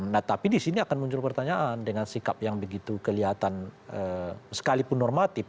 nah tapi di sini akan muncul pertanyaan dengan sikap yang begitu kelihatan sekalipun normatif